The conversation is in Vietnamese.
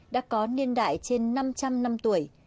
đã có niên đại trên năm trăm linh năm tuổi